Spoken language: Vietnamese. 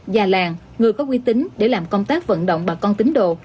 già làng người có uy tín để làm công tác vận động bà con tính đồ